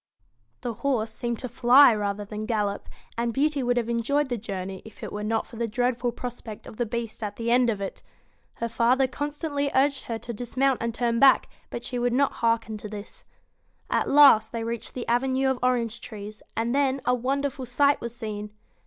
The horse seemed to fly rather than gallop ; and 86 Beauty would have enjoyed the journey if it were BEAUTY not for the dreadful prospect of the Beast at the AND THE end of it. Her father constantly urged her to BEAST dismount and turn back, but she would not hearken to this. At last they reached the avenue of orange trees, and then a wonderful sight was seen.